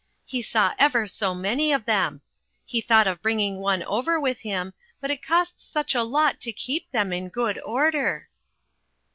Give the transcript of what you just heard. He saw ever so many of them. He thought of bringing one over with him, but it costs such a lot to keep them in good order."